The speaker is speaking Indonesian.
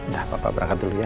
dahlah papa berangkat dulu ya